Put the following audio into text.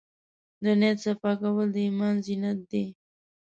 د نیت صفا کول د ایمان زینت دی.